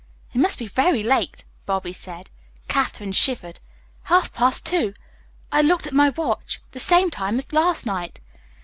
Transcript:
"It must be very late," Bobby said. Katherine shivered. "Half past two. I looked at my watch. The same time as last night."